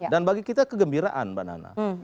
dan bagi kita kegembiraan mbak nana